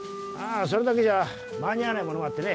それだけじゃ間に合わないものもあってね